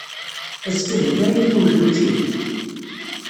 Azekka d nekk ara iniwlen ucci?